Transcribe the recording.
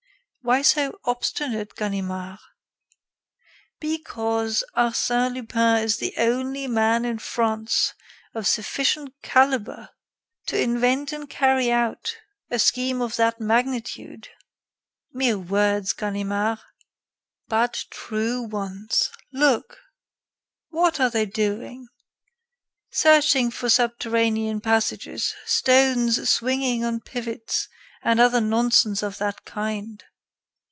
"Why so obstinate, Ganimard?" "Because Arsène Lupin is the only man in France of sufficient calibre to invent and carry out a scheme of that magnitude." "Mere words, Ganimard." "But true ones. Look! What are they doing? Searching for subterranean passages, stones swinging on pivots, and other nonsense of that kind.